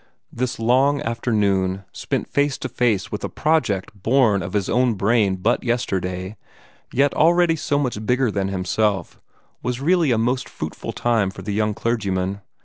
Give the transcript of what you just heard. This long afternoon, spent face to face with a project born of his own brain but yesterday, yet already so much bigger than himself, was really a most fruitful time for the young clergyman.